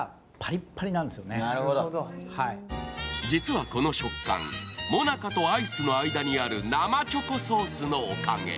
実はこの食感、モナカとアイスの間にある生チョコソースのおかげ。